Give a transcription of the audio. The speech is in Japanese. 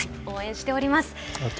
応援しております。